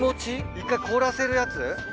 １回凍らせるやつ？